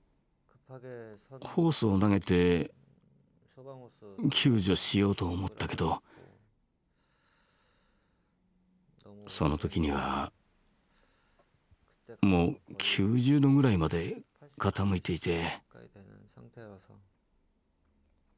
ホースを投げて救助しようと思ったけどその時にはもう９０度ぐらいまで傾いていて。